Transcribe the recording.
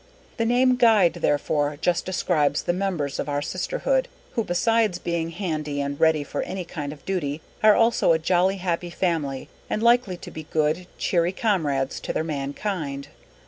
_ _The name Guide therefore just describes the members of our sisterhood who besides being handy and ready for any kind of duty are also a jolly happy family and likely to be good, cheery comrades to their mankind.